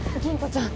ちゃん